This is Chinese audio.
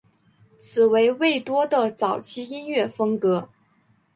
此为魏多的早期音乐风格。